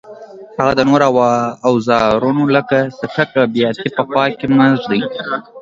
هغه د نورو اوزارونو لکه څټک او بیاتي په خوا کې مه ږدئ.